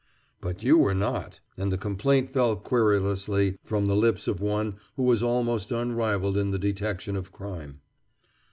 "But you were not," and the complaint fell querulously from the lips of one who was almost unrivaled in the detection of crime.